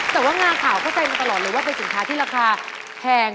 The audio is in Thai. แต่ว่างาขาวเข้าใจมาตลอดเลยว่าเป็นสินค้าที่ราคาแพง